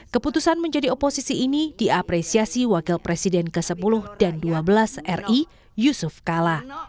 keputusan menjadi oposisi ini diapresiasi wakil presiden ke sepuluh dan ke dua belas ri yusuf kala